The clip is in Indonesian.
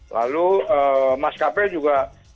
lalu mas kp juga